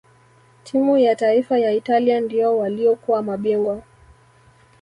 timu ya taifa ya italia ndio waliokuwa mabingwa